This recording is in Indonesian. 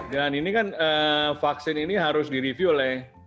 dan ini kan vaksin ini harus direview oleh